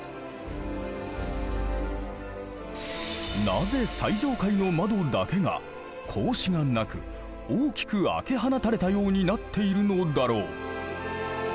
なぜ最上階の窓だけが格子がなく大きく開け放たれたようになっているのだろう。